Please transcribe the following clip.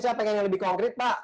saya pengen yang lebih konkret pak